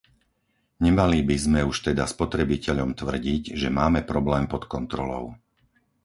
Nemali by sme už teda spotrebiteľom tvrdiť, že máme problém pod kontrolou.